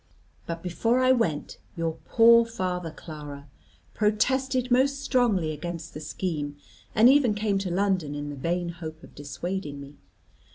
But before I went, your poor father, Clara, protested most strongly against the scheme, and even came to London in the vain hope of dissuading me.